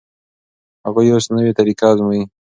هغوی اوس نوې طریقه ازمويي.